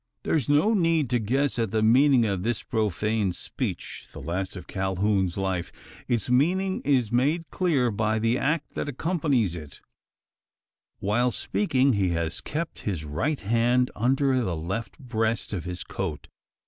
There is no need to guess at the meaning of this profane speech the last of Calhoun's life. Its meaning is made clear by the act that accompanies it. While speaking he has kept his right hand under the left breast of his coat.